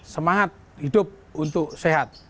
semangat hidup untuk sehat